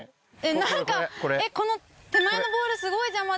何かえっこの手前のボールすごい邪魔です。